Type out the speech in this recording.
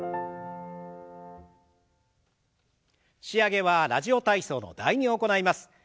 仕上げは「ラジオ体操」の「第２」を行います。